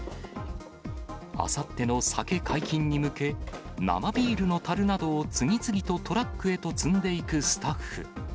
あさっての酒解禁に向け、生ビールのたるなどを次々とトラックへと積んでいくスタッフ。